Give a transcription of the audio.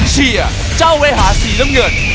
เชียร์เจ้าเวหาสีน้ำเงิน